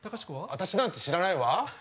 私なんか知らないわ！